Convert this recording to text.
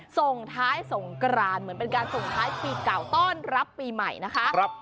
ส่งท้ายสงกรานเหมือนเป็นการส่งท้ายปีเก่าต้อนรับปีใหม่นะคะ